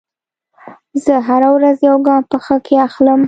زه هره ورځ یو ګام په ښه کې اخلم.